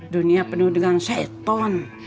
dunia penuh dengan seton